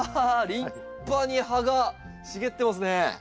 立派に葉が茂ってますね。